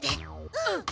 うん。